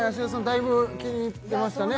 だいぶ気に入ってましたね？